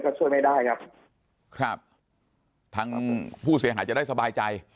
ก็ช่วยไม่ได้ครับครับทางผู้เสียหายจะได้สบายใจ